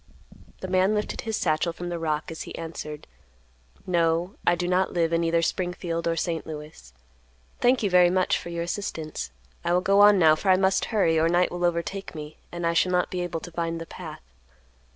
The man lifted his satchel from the rock as he answered: "No, I do not live in either Springfield or St. Louis. Thank you, very much, for your assistance. I will go on, now, for I must hurry, or night will overtake me, and I shall not be able to find the path."